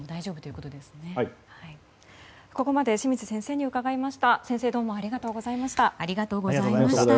ここまで清水先生に伺いました。